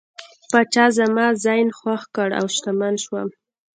پاچا زما زین خوښ کړ او شتمن شوم.